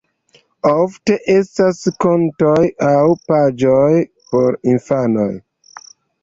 Ofte estas kantoj aŭ paĝoj por infanoj.